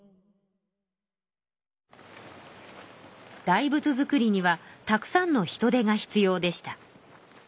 大仏造りにはたくさんの人手が必要でした。